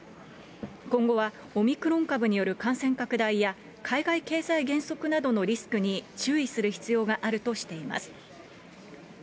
今後は、オミクロン株による感染拡大や、海外経済減速などのリスクに注意する必要があるとしています。